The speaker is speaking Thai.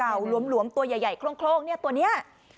เราลองตัวใหญ่ตัวเนี่ยตัวเนี้ย